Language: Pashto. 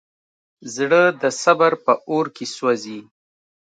زړه د صبر په اور کې سوځي.